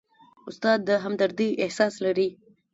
استاد د همدردۍ احساس لري.